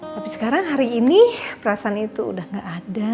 tapi sekarang hari ini perasaan itu udah gak ada